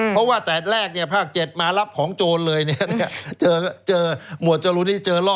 เพราะว่าแต่แรกภาค๗มารับของโจรเลยหมวดจรูนี่เจอล่อ